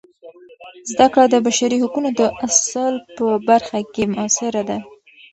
زده کړه د بشري حقونو د اصل په برخه کې مؤثره ده.